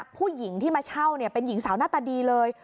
ผู้หญิงที่มาเช่าเป็นหญิงสาวหน้าตาดีเลย